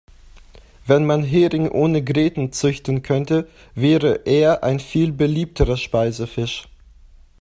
Wenn man Hering ohne Gräten züchten könnte, wäre er ein viel beliebterer Speisefisch.